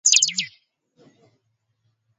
unaweza kula viazi vya kuchemshwa na vyakula vingine